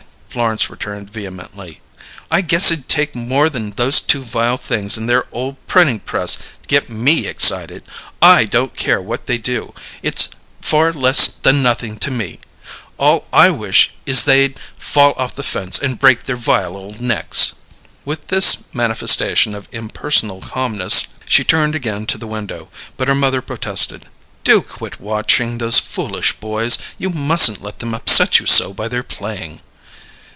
Florence returned vehemently. "I guess it'd take more than those two vile things and their old printing press to get me excited! I don't care what they do; it's far less than nothing to me! All I wish is they'd fall off the fence and break their vile ole necks!" With this manifestation of impersonal calmness, she turned again to the window; but her mother protested. "Do quit watching those foolish boys; you mustn't let them upset you so by their playing."